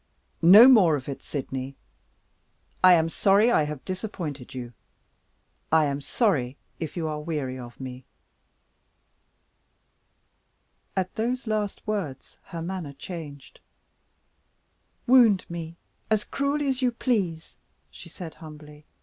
"No more of it, Sydney! I am sorry I have disappointed you; I am sorry if you are weary of me." At those last words her manner changed. "Wound me as cruelly as you please," she said, humbly.